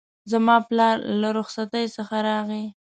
زما پلار له رخصتی څخه راغی